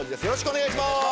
よろしくお願いします。